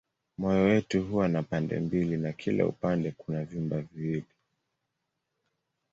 Moyo wetu huwa na pande mbili na kila upande kuna vyumba viwili.